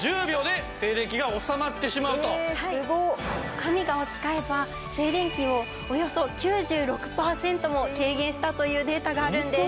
ＫＡＭＩＧＡを使えば静電気をおよそ９６パーセントも軽減したというデータがあるんです。